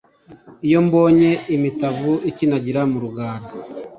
iyo mbonye imitavu ikinagira m' urugara